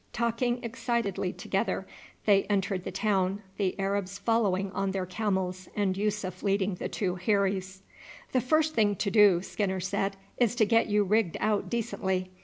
Talking excitedly together they entered the town, the Arabs following on their camels and Yussuf leading the two heiries. "The first thing to do," Skinner said, "is to get you rigged out decently.